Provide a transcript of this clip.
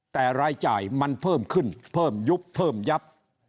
แต่รายจ่ายมันเพิ่มขึ้นเพิ่มยุบเพิ่มยับ